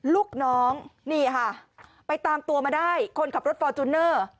ลูกน้องนี่ค่ะไปตามตัวมาได้คนขับรถฟอร์จูเนอร์